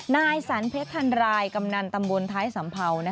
นายสรรเพชรทันรายกำนันตำบลท้ายสัมเภา